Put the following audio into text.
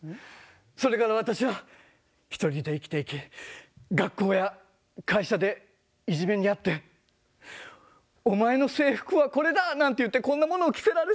それから私は独りで生きていき学校や会社でいじめに遭って「お前の制服はこれだ！」なんて言ってこんなものを着せられて。